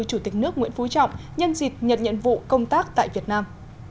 chủ tịch nước nguyễn phú trọng nhân dịp nhận nhiệm vụ công tác tại việt nam